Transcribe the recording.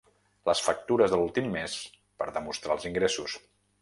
Les factures de l'últim més per demostrar els ingressos.